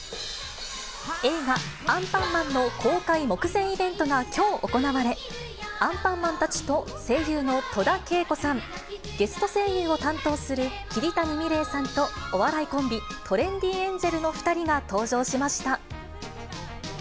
映画、アンパンマンの公開目前イベントがきょう行われ、アンパンマンたちと声優の戸田恵子さん、ゲスト声優を担当する、桐谷美玲さんとお笑いコンビ、トレンディエンジェルの２人が登場しました。